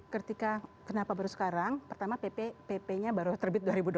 ketika kenapa baru sekarang pertama pp nya baru terbit dua ribu delapan belas